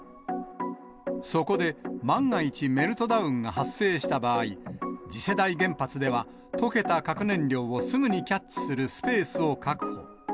そこで万が一メルトダウンが発生した場合、次世代原発では、溶けた核燃料をすぐにキャッチするスペースを確保。